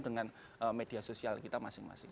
dengan media sosial kita masing masing